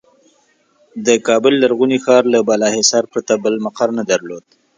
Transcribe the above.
د کابل لرغوني ښار له بالاحصار پرته بل مقر نه درلود.